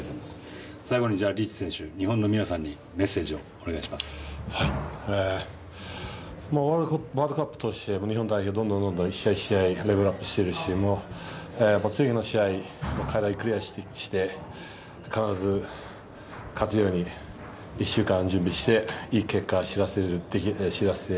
最後に、リーチ選手日本の皆さんにワールドカップ通して日本代表どんどんどんどん、一試合一試合レベルアップしてるし次の試合、課題クリアして必ず勝つように１週間、準備していい結果、知らせる。